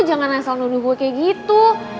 jangan asal nuduh gue kayak gitu